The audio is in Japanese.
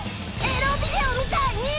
エロビデオみたいに！